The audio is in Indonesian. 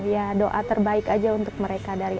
ya doa terbaik aja untuk mereka dari